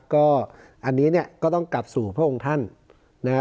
ก็อันนี้เนี่ยก็ต้องกลับสู่พระองค์ท่านนะฮะ